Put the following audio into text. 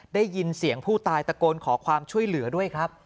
ได้ยินเสียงผู้ตายตะโกนขอความช่วยเหลือด้วยครับ